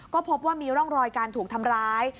ก็พบว่ามีร่องรอยการถูกทำร้าย